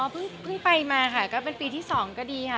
เพิ่งไปมาค่ะก็เป็นปีที่๒ก็ดีค่ะ